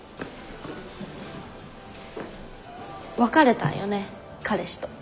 別れたんよね彼氏と。